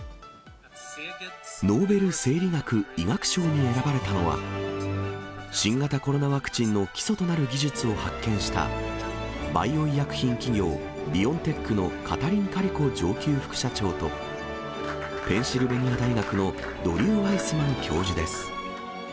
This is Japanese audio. ノーベル生理学・医学賞に選ばれたのは、新型コロナワクチンの基礎となる技術を発見した、バイオ医薬品企業、ビオンテックのカタリン・カリコ上級副社長と、ペンシルベニア大学のドリュー・ワイスマン教授です。